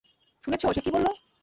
শুনেছ সে কী বলল?